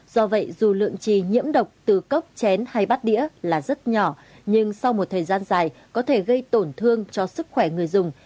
do vậy dù lượng trì nhiễm độc từ cốc chén hay bát đĩa là rất nhỏ nhưng sau một thời gian dài có thể gây tổn thương cho sức khỏe người dùng